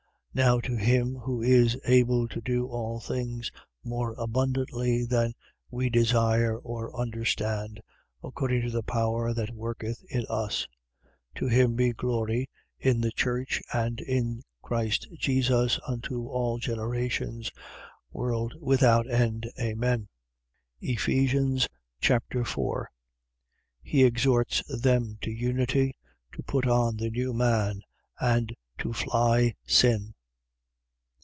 3:20. Now to him who is able to do all things more abundantly than we desire or understand, according to the power that worketh in us: 3:21. To him be glory in the church and in Christ Jesus, unto all generations, world without end. Amen. Ephesians Chapter 4 He exhorts them to unity, to put on the new man, and to fly sin.